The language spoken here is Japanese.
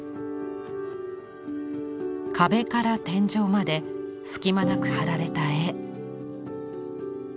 壁から天井まで隙間なく貼られた絵。